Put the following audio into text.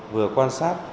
vừa quan sát